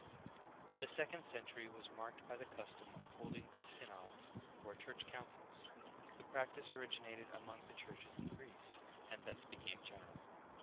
6. The second century was marked by the custom of hold ing synods or church councils ; the practice originated among the churches in Greece, and thence became general.